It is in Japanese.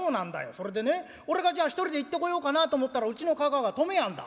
それでね俺がじゃあ一人で行ってこようかなと思ったらうちのかかあが止めやんだ。